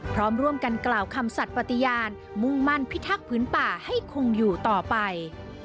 พร้อมร่วมกันกล่าวคำสัตว์ปฏิญาณมุ่งมั่นพิทักษ์พื้นป่าให้คงอยู่ต่อไป